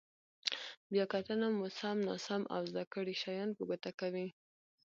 بیا کتنه مو سم، ناسم او زده کړي شیان په ګوته کوي.